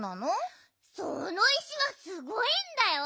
その石はすごいんだよ！